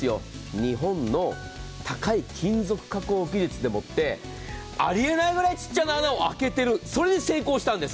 日本の高い金属加工技術でもってありえないぐらいちっちゃな穴を開けてる、それで成功したんです。